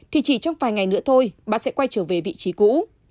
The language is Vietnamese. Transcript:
thì chỉ trong vài ngày nữa thôi bà sẽ quay trở về vị trí cũ